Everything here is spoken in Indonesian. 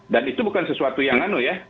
dan itu bukan sesuatu yang aneh ya